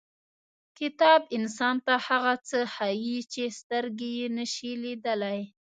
• کتاب انسان ته هغه څه ښیي چې سترګې یې نشي لیدلی.